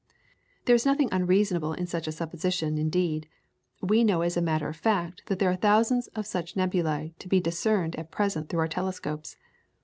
There is nothing unreasonable in such a supposition indeed, we know as a matter of fact that there are thousands of such nebulae to be discerned at present through our telescopes.